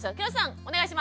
お願いします。